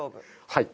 はい。